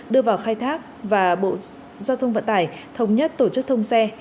đưa vào khai thác và bộ giao thông vận tải thống nhất tổ chức thông xe